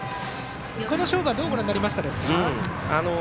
この勝負はどうご覧になりましたか。